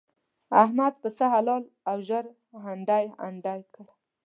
احمد پسه حلال او ژر هنډي هنډي کړ.